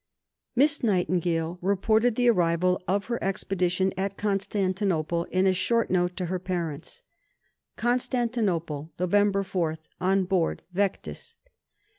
Miss Nightingale reported the arrival of her expedition at Constantinople in a short note to her parents: CONSTANTINOPLE, November 4, on board Vectis.